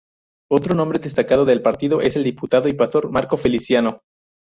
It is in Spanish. Otro nombre destacado del partido es el diputado y pastor Marco Feliciano.